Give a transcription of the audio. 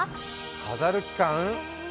飾る期間？